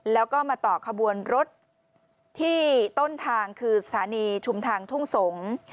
แล้วก็มาต่อขบวนรถที่ต้นทางคือสถานีชุมทางทุ่งสงศ์